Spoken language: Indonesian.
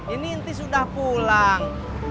ini inti sudah pulang